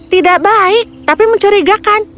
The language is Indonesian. tidak baik tapi mencurigakan